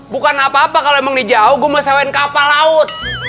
bukan apa apa kalau emang ini jauh gue ngesawain kapal laut